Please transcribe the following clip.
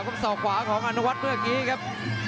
ความสอบขวาของอันวัดเมื่อกี้ครับ